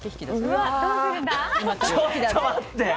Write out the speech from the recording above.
ちょっと待って。